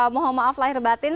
mohon maaf lahir batin